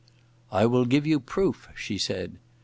"I will give you proof," she said.